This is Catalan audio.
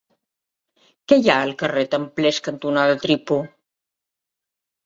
Què hi ha al carrer Templers cantonada Tripó?